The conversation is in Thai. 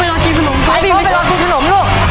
ร้อยโกะไปรอชิมขนมลูก